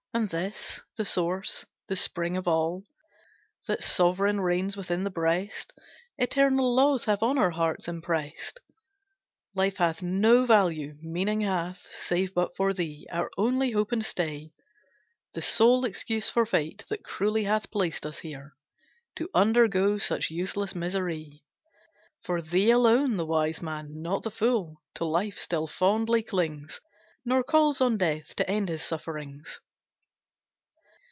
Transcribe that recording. And this, The source, the spring of all, That sovereign reigns within the breast, Eternal laws have on our hearts impressed. Life hath no value, meaning hath, Save but for thee, our only hope and stay; The sole excuse for Fate, That cruelly hath placed us here, To undergo such useless misery; For thee alone, the wise man, not the fool, To life still fondly clings, Nor calls on death to end his sufferings.